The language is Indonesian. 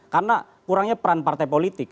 karena kurangnya peran partai politik